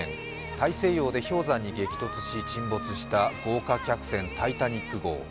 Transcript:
大西洋で氷山に激突し、沈没した豪華客船「タイタニック」号。